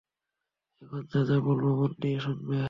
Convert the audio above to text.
এখন যা যা বলব মন দিয়ে শুনবে।